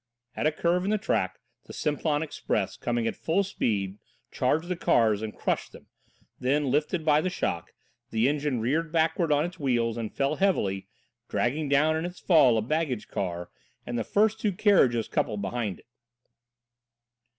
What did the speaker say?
At a curve in the track the Simplon Express coming at full speed charged the cars and crushed them, then, lifted by the shock, the engine reared backwards on its wheels and fell heavily, dragging down in its fall a baggage car and the first two carriages coupled behind it.